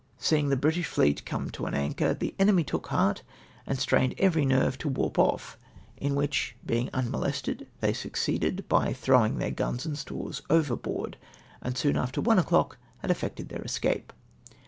Seeing the British fleet come to an anchor, the enemy took heart, and strained every nerve to warp off, in which, being un molested, they succeeded — by tfirowing theu^ guns and stores overboard — and soon after one o'clock had effected their escape.